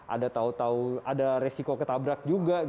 ada tahu tahu ada resiko ketabrak juga